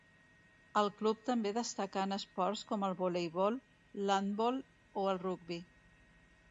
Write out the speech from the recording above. El club també destacà en esports com el voleibol, l'handbol o el rugbi.